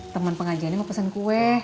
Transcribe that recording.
teman pengajiannya mau pesen kue